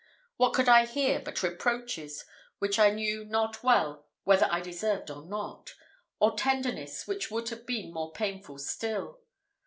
What could I hear, but reproaches, which I knew not well whether I deserved or not; or tenderness, which would have been more painful still?